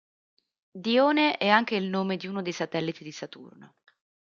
Dione è anche il nome di uno dei satelliti di Saturno.